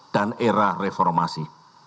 dan era reformasi